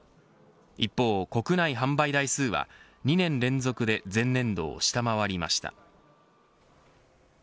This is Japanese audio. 一方、国内販売台数は２年連続で前年度を下回りました。